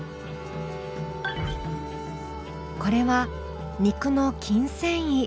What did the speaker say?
これは肉の筋繊維。